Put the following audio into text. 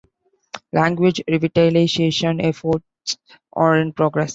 Language revitalization efforts are in progress.